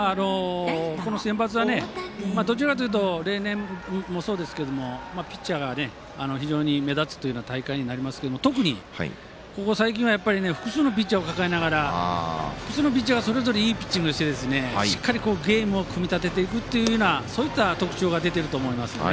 センバツはどちらかというと例年もそうですけどピッチャーが非常に目立つという大会になりますが、特にここ最近は複数のピッチャーを抱えながら複数のピッチャーがそれぞれいいピッチングをしてゲームを組み立てていくというそういった特徴が出てると思いますね。